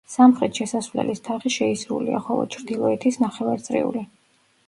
სამხრეთ შესასვლელის თაღი შეისრულია, ხოლო ჩრდილოეთის ნახევარწრიული.